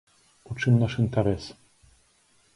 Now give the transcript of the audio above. У чым наш інтарэс?